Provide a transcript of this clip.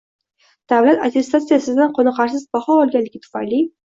Davlat attestatsiyasidan qoniqarsiz baho olganligi tufayli